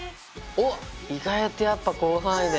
おっ意外とやっぱ広範囲で。